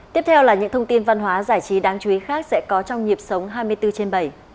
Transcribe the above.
tiếp theo là những thông tin văn hóa giải trí đáng chú ý khác sẽ có trong nhịp sống hai mươi bốn trên bảy